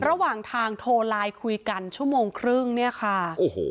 ระหว่างทางโทรไลน์คุยกันชั่วโมงครึ่งเนี่ยค่ะโอ้โห